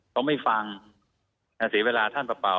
เขาไม่ฟังเสียเวลาท่านเปล่า